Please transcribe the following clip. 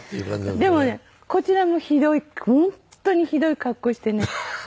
でもねこちらもひどい本当にひどい格好してね